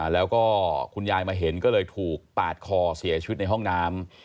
แล้วก็คุณยายมาเห็นก็เลยถูกปาดคอเสียชีวิตในห้องน้ำ